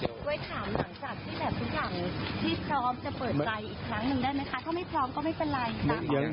ถ้าไม่พร้อมก็ไม่เป็นไร